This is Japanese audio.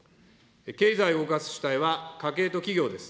経済を動かす主体は家計と企業です。